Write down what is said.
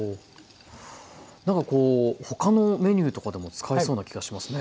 なんかこうほかのメニューとかでも使えそうな気がしますね。